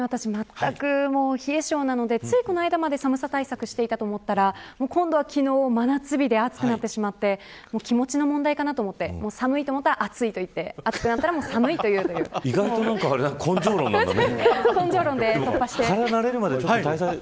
暑かったり、寒かったり激しいですけど私は冷え性なのでついこの間まで寒さ対策していたと思ったら今度は昨日真夏日で暑くなってしまって気持ちの問題かなと思って寒いと思ったら暑いと言って意外と根性論なんだね。